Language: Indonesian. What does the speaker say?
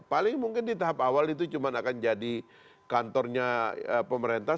paling mungkin di tahap awal itu cuma akan jadi kantornya pemerintah